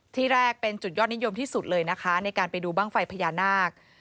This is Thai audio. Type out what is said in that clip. ที่แรกเป็นจุดยอดนิยมที่สุดเลยนะคะในการไปดูบ้างไฟพญานาค